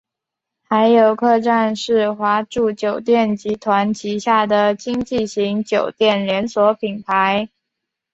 海友客栈是华住酒店集团旗下的经济型酒店连锁品牌。